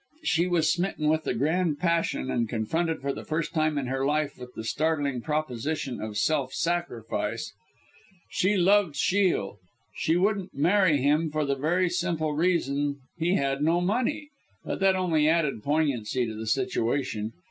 She was smitten with the grand passion, and confronted for the first time in her life with the startling proposition of "self sacrifice." She loved Shiel. She wouldn't marry him for the very simple reason he had no money but that only added poignancy to the situation.